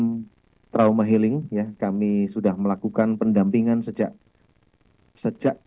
bapak masih menakutkan yr glau seruputemang hai selain ambil alat kabin kita hurin